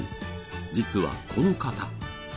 実はこの方。